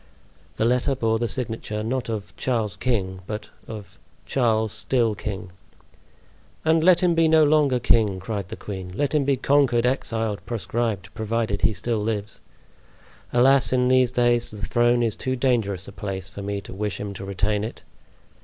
The letter bore the signature, not of "Charles, King," but of "Charles—still king." "And let him be no longer king," cried the queen. "Let him be conquered, exiled, proscribed, provided he still lives. Alas! in these days the throne is too dangerous a place for me to wish him to retain it.